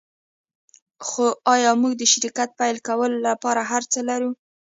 خو ایا موږ د شرکت پیل کولو لپاره هرڅه لرو